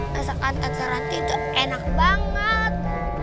masakan rasa ranti itu enak banget